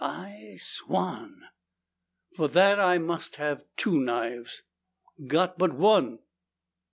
"I swan!" "For that I must have two knives." "Got but one."